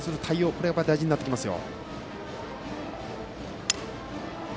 これが大事になってきますよ。